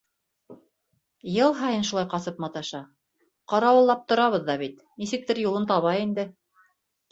Йыл һайын шулай ҡасып маташа, ҡарауыллап торабыҙ ҙа бит, нисектер юлын таба инде.